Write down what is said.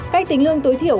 cách tính lương tối thiểu